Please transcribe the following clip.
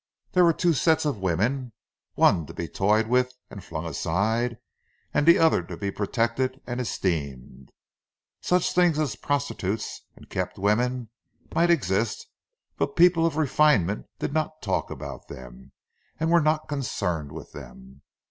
There were two sets of women; one to be toyed with and flung aside, and the other to be protected and esteemed. Such things as prostitutes and kept women might exist, but people of refinement did not talk about them, and were not concerned with them.